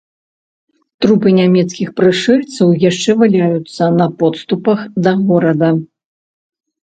Трупы нямецкіх прышэльцаў яшчэ валяюцца на подступах да горада.